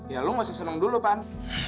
ya lo nggak usah seneng dulu pan